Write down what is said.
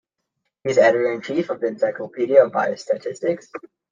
He is editor-in-chief of the "Encyclopedia of Biostatistics".